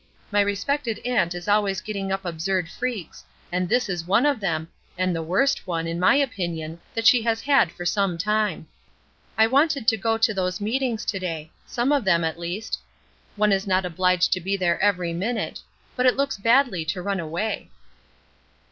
My respected aunt is always getting up absurd freaks, and this is one of them, and the worst one, in my opinion, that she has had for some time. I wanted to go to those meetings to day some of them, at least. One isn't obliged to be there every minute. But it looks badly to run away."